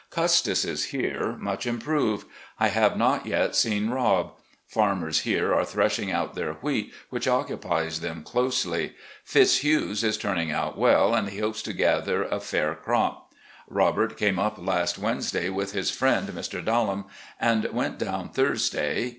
Custis is here, much improved. I have not yet seen Rob. Farmers here are threshing out their wheat, which occupies them closely. Fitzhugh's is turning out well, and he hopes to 364 RECOLLECTIONS OF GENERAL LEE gather a fair crop. Robert came up last Wednesday with his friend Mr. Dallam, and went down Thursday.